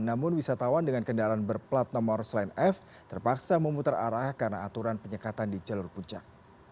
namun wisatawan dengan kendaraan berplat nomor sline f terpaksa memutar arah karena aturan penyekatan di jalur puncak